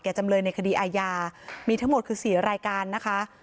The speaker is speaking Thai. จำเลยในคดีอาญามีทั้งหมดคือ๔รายการนะคะ